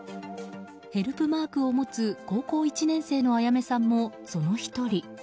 ヘルプマークを持つ高校１年生のアヤメさんも、その１人。